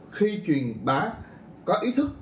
khi truyền bá có ý thức